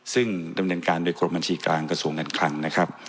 ซึ่งดำเนินการโดยกรมบัญชีกลางกระทรวงการคลังนะครับ